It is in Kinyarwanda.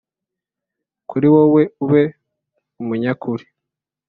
kuri wewe ube umunyakuri.